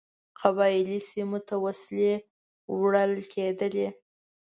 قبایلي سیمو ته وسلې وړلې کېدلې.